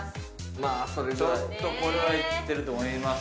まあそれぐらいちょっとこれはいってると思います